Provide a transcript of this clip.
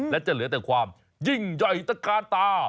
และจะเหลือแต่ความยิ่งใหญ่ตะกาตา